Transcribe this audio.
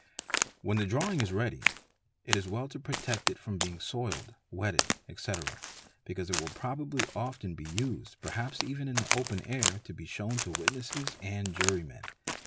When the drawing is ready, it is well to protect it from being soiled, wetted, etc., because it will probably often be used, perhaps even in the open air, to be shewn to witnesses and jurymen.